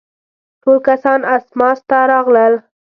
ټول کسان اسماس ته راغلل.